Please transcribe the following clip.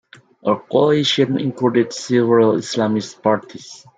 Her coalition included several Islamist parties.